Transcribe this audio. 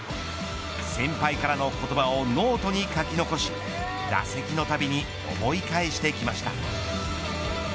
先輩からの言葉をノートに書き残し打席のたびに思い返してきました。